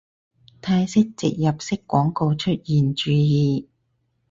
泰式植入式廣告出現注意